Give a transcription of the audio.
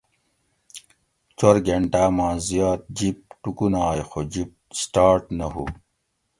چور گھنٹاۤ ما زیت جیپ ٹوکوناگ خو جیپ سٹارٹ نہ ہُو